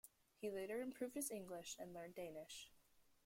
He later improved his English and learned Danish.